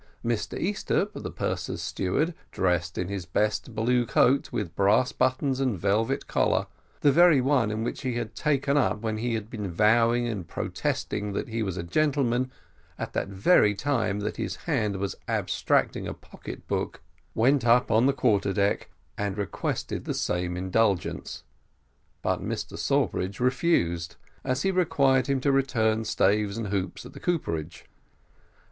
Mr Easthupp, the purser's steward, dressed in his best blue coat with brass buttons and velvet collar, the very one in which he had been taken up when he had been vowing and protesting that he was a gentleman, at the very time that his hand was abstracting a pocket book, went up on the quarter deck, and requested the same indulgence, but Mr Sawbridge refused, as he required him to return staves and hoops at the cooperage.